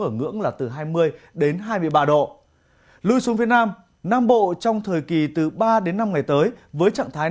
ở ngưỡng là từ hai mươi đến hai mươi ba độ lưu xuống phía nam nam bộ trong thời kỳ từ ba đến năm ngày tới với trạng thái